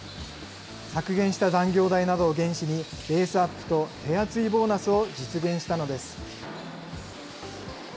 削減した残業代などを原資に、ベースアップと手厚いボーナスを実現したのです。